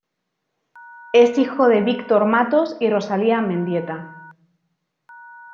Es hijo de Víctor Matos y Rosalía Mendieta.